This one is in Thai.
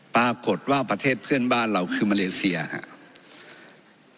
ปรากฏว่าประเทศเพื่อนบ้านเราคือมาเลเซียครับ